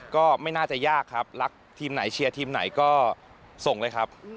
ก็ไม่น่าจะยากครับรักทีมไหนเชียร์ทีมไหนก็ส่งเลยครับ